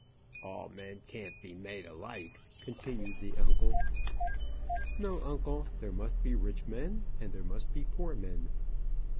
"All men can't be made alike," continued the uncle. "No, uncle; there must be rich men, and there must be poor men."